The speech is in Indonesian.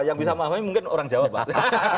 yang bisa mengamai mungkin orang jawa pak